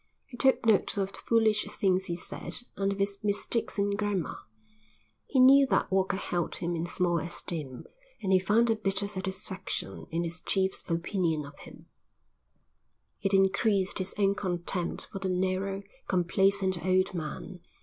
He took note of the foolish things he said and of his mistakes in grammar. He knew that Walker held him in small esteem, and he found a bitter satisfaction in his chief's opinion of him; it increased his own contempt for the narrow, complacent old man.